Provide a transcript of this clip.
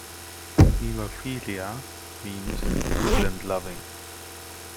"Nemophila" means "woodland-loving".